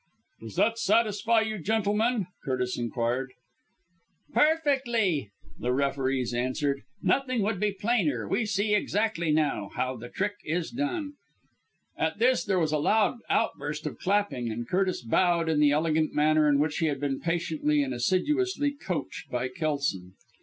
"Does that satisfy you, gentlemen?" Curtis inquired. "Perfectly!" the referees answered. "Nothing could be plainer. We see exactly, now, how the trick is done." At this there was a loud outburst of clapping, and Curtis bowed in the elegant manner in which he had been patiently and assiduously coached by Kelson.